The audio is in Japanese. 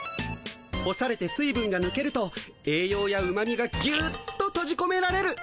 干されて水分がぬけるとえいようやうまみがぎゅっととじこめられる。